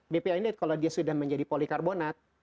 bpa ini kalau dia sudah menjadi polikarbonat